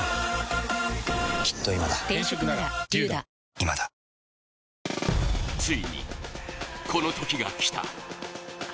三菱電機ついにこの時が来た。